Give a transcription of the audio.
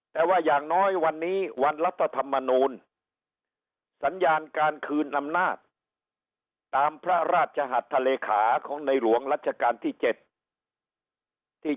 แต่ว่าอย่างน้อยวันนี้วันรัฐธรรมนูลสัญญาณการคืนอำนาจตามพระราชหัสทะเลขาของในหลวงรัชกาลที่๗ที่